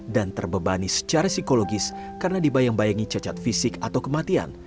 dan terbebani secara psikologis karena dibayang bayangi cacat fisik atau kematian